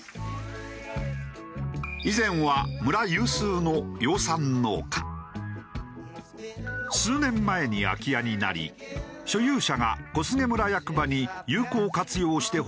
以前は村有数の数年前に空き家になり所有者が小菅村役場に有効活用してほしいと相談。